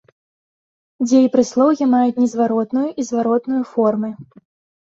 Дзеепрыслоўі маюць незваротную і зваротную формы.